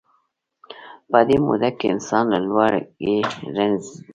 په دې موده کې انسان له لوږې رنځیده.